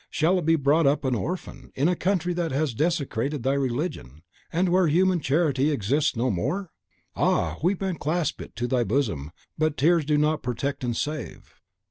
Shall it be brought up an orphan, in a country that has desecrated thy religion, and where human charity exists no more? Ah, weep, and clasp it to thy bosom; but tears do not protect and save."